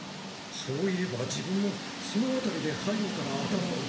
そういえば自分もその辺りで背後から頭を。